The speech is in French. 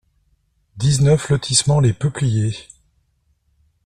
dix-neuf lotissement Les Peupliers